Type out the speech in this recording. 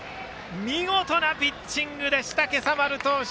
見事なピッチングでした今朝丸投手！